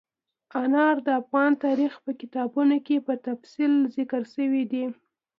انار د افغان تاریخ په کتابونو کې په تفصیل ذکر شوي دي.